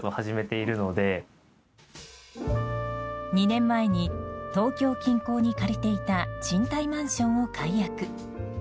２年前に東京近郊に借りていた賃貸マンションを解約。